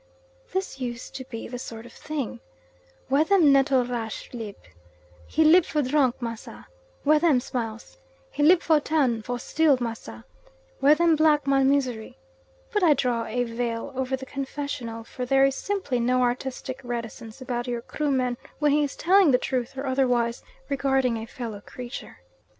This used to be the sort of thing "Where them Nettlerash lib?" "He lib for drunk, Massa." "Where them Smiles?" "He lib for town, for steal, Massa." "Where them Black Man Misery?" But I draw a veil over the confessional, for there is simply no artistic reticence about your Kruman when he is telling the truth, or otherwise, regarding a fellow creature.